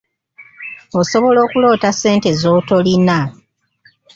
Osobola okuloota ssente z’otolina.